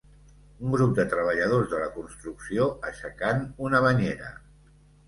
Un grup de treballadors de la construcció aixecant una banyera.